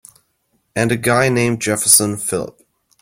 And a guy named Jefferson Phillip.